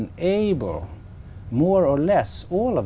một sự giúp đỡ rất lớn